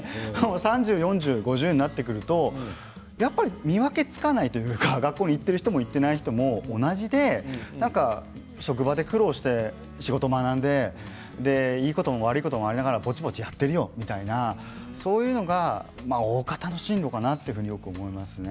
３０、４０、５０になると見分けつかないというか学校に行っている人も行っていない人も同じで職場で苦労して仕事を学んでいいことも悪いことも学びながらぼちぼちやってるよみたいな人がそういうのが大方の進路かなと思いますね。